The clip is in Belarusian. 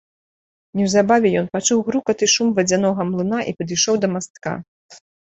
Неўзабаве ён пачуў грукат і шум вадзянога млына і падышоў да мастка.